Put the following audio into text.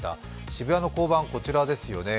渋谷の交番、こちらですよね。